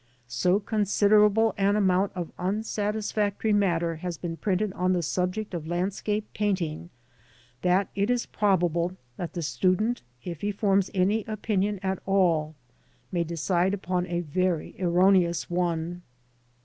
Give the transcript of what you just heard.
So considerable an amount of unsatisfactory matter has been printed on the subject of landscape painting that it is probable that the student, if he forms any opinion at all, may decide upon a very erroneous one.